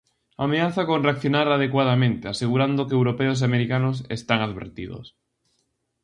Ameaza con "reaccionar adecuadamente", asegurando que europeos e americanos "están advertidos".